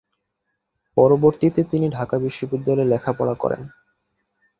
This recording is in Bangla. পরবর্তীতে তিনি ঢাকা বিশ্ববিদ্যালয়ে লেখাপড়া করেন।